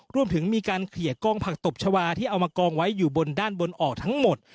รวมถึงมีการเคลียร์กองผักตบชาวาที่เอามากองไว้อยู่บนด้านบนออกทั้งหมด